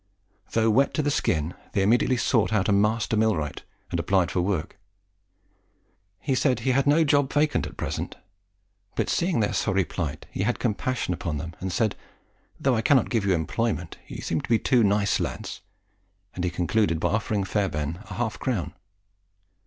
Though wet to the skin, they immediately sought out a master millwright, and applied for work. He said he had no job vacant at present; but, seeing their sorry plight, he had compassion upon them, and said, "Though I cannot give you employment, you seem to be two nice lads;" and he concluded by offering Fairbairn a half crown.